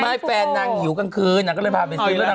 เพื่อนนาง่ายิ้วกลางคืนนั้นก็เลยพามีสกิรกับนางอ้าว